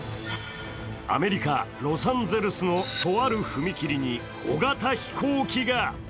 アメリカ・ロサンゼルスのとある踏切に小型飛行機が。